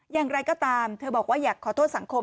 อย่างไรก็ตามเธอบอกว่าอยากขอโทษสังคม